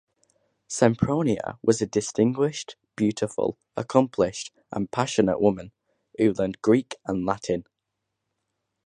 Sempronia was a distinguished, beautiful, accomplished, and passionate woman, who learned Greek and Latin.